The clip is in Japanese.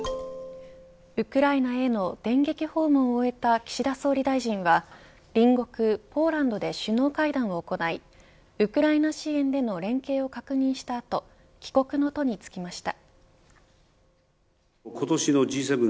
ウクライナへの電撃訪問を終えた岸田総理大臣は、隣国ポーランドで首脳会談を行いウクライナ支援での連携を確認した後帰国の途に就きました。